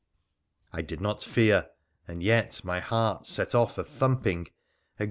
1 did not fear, and yet my heart set off a thumping against 2?.